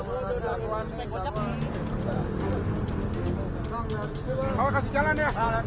kasih jalan kasih jalan